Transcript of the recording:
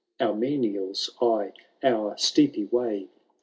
Our menials eye our steepy way.